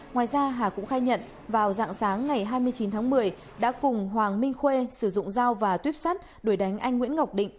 ngoài ra hà cũng khai nhận vào dạng sáng ngày hai mươi chín tháng một mươi đã cùng hoàng minh khuê sử dụng dao và tuyếp sắt đuổi đánh anh nguyễn ngọc định